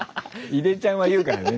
いでちゃんは言うからね。